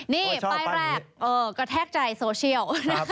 นี่ป้ายแรกกระแทกใจโซเชียล